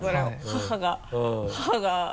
母が母が。